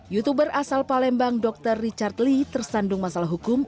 youtuber asal palembang dr richard lee tersandung masalah hukum